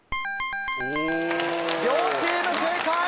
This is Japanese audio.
両チーム正解！